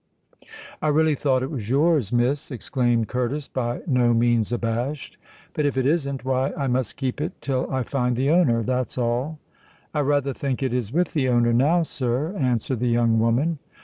"I really thought it was yours, Miss," exclaimed Curtis, by no means abashed. "But if it isn't—why, I must keep it till I find the owner—that's all." "I rather think it is with the owner now, sir," answered the young woman.